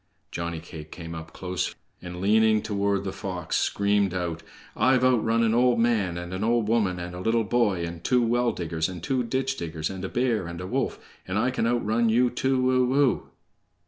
Johnny cake came up close, and leaning toward the fox screamed out: "I'VE OUTRUN AN OLD MAN, AND AN OLD WOMAN, AND A LITTLE BOY, AND TWO WELL DIGGERS, AND TWO DITCH DIGGERS, AND A BEAR, AND A WOLF, AND I CAN OUTRUN YOU TOO O O!"